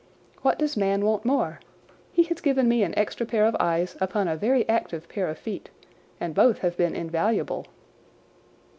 What does man want more? He has given me an extra pair of eyes upon a very active pair of feet, and both have been invaluable."